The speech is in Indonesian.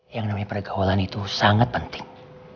yang namanya pergaulan itu sangat penting